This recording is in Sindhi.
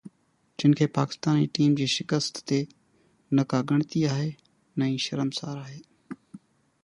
جن کي پاڪستاني ٽيم جي شڪست تي نه ڪا ڳڻتي آهي ۽ نه ئي شرمسار آهي.